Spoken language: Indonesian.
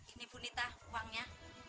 ini ibu nita uangnya